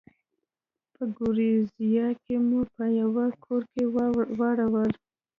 په ګوریزیا کې مو په یوه کور کې واړول.